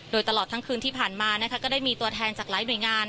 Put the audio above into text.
โดยตลอดทั้งคืนที่ผ่านมาก็ได้มีตัวแทนจากหลายหน่วยงาน